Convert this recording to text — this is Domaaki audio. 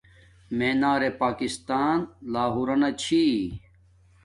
مینار پاکستان لاہورنا چھی